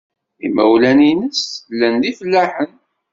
Imawlan-nnes llan d ifellaḥen.